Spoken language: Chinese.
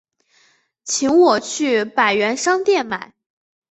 请我去百元商店买